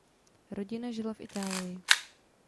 Rodina žila v Itálii.